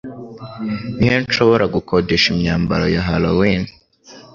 Ni he nshobora gukodesha imyambaro ya Halloween?